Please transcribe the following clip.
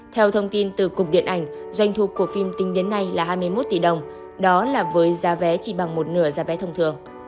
theo thông tin từ cục điện ảnh doanh thu của phim tính đến nay là hai mươi một tỷ đồng đó là với giá vé chỉ bằng một nửa giá vé thông thường